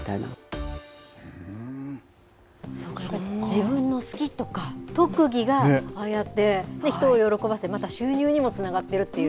自分の好きとか特技がああやって人を喜ばせ、また収入にもつながっているという。